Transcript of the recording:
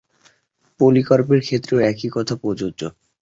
পলিকার্পের ক্ষেত্রেও একই কথা প্রযোজ্য।